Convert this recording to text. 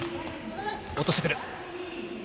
落としてくる。